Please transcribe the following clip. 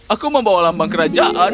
aku membawa lambang kerajaan